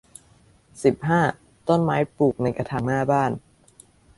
สิบห้า ต้นไม้ปลูกในกระถางหน้าบ้าน